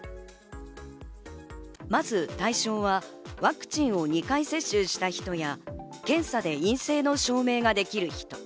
まず対象はワクチンを２回接種した人や、検査で陰性の証明ができる人。